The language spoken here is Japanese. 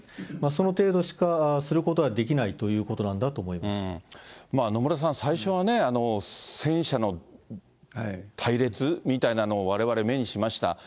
その程度しかすることはできないと野村さん、最初は戦車の隊列みたいなのをわれわれ、目にしました。